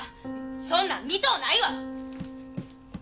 そんなん見とうないわ！